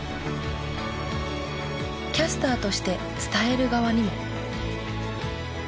キャスターとして伝える側にも。